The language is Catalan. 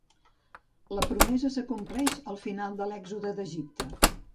La promesa s'acompleix al final de l'Èxode d'Egipte.